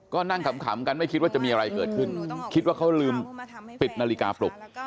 ก็นั่งขำกันไม่คิดว่าจะมีอะไรเกิดขึ้นคิดว่าเขาลืมปิดนาฬิกาปลุก